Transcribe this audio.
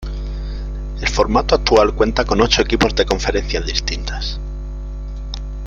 El formato actual cuenta con ocho equipos de conferencias distintas.